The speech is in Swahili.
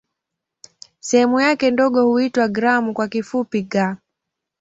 Sehemu yake ndogo huitwa "gramu" kwa kifupi "g".